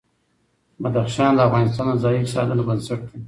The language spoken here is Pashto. بدخشان د افغانستان د ځایي اقتصادونو بنسټ دی.